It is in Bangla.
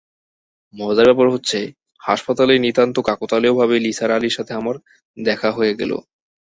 মজার ব্যাপার হচ্ছে, হাসপাতালেই নিতান্ত কাকতালীয়ভাবে নিসার আলির সঙ্গে আমার দেখা হয়ে গেল।